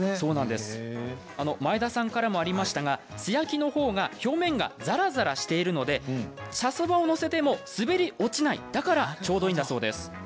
前田さんからもありましたが素焼きのほうが表面がざらざらしているので茶そばを載せても滑り落ちないだからちょうどいいんだそうです。